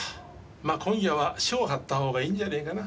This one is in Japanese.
まあ今夜は署を張ったほうがいいんじゃねえかな。